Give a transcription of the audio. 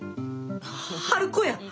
春子や！